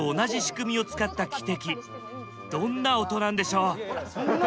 どんな音なんでしょう？